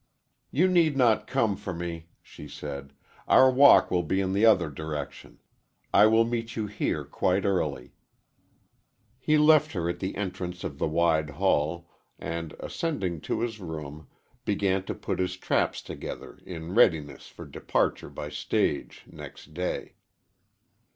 "You need not come for me," she said. "Our walk will be in the other direction. I will meet you here quite early." He left her at the entrance of the wide hall and, ascending to his room, began to put his traps together in readiness for departure by stage next day.